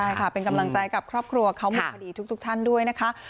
ใช่ค่ะเป็นกำลังใจกับครอบครัวเขาหมดพอดีทุกท่านด้วยนะคะ